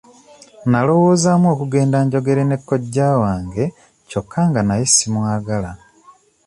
Nalowoozaamu okugenda njogere ne kojja wange kyokka nga naye simwagala.